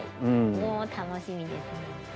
おお楽しみですね。